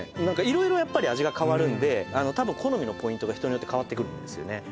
何か色々やっぱり味が変わるんで多分好みのポイントが人によって変わってくるんですよね